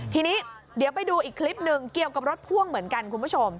ทีนี้เดี๋ยวไปดูอีกคลิปหนึ่งเกี่ยวกับรถพ่วงเหมือนกันคุณผู้ชม